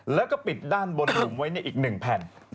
แล้วก็ปิดด้านบนหลุมไว้อีก๑แผ่น